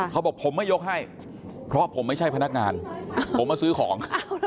เขาบอกผมไม่ยกให้เพราะผมไม่ใช่พนักงานผมมาซื้อของ